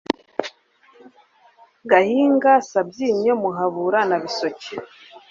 Gahinga, Sabyinyo, Muhabura na Bisoke